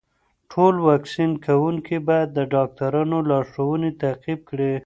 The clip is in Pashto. ټول واکسین کوونکي باید د ډاکټرانو لارښوونې تعقیب کړي.